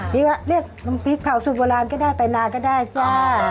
เรียกน้ำพริกเผาสุดโบราณก็ได้ไปนานก็ได้จ้ะ